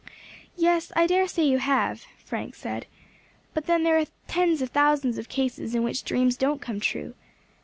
"Yes, I dare say you have," Frank said; "but then there are tens of thousands of cases in which dreams don't come true.